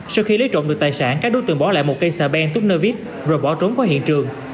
sau khi lấy trộm được tài sản các đối tượng bỏ lại một cây xà ben túc nơ vít rồi bỏ trốn qua hiện trường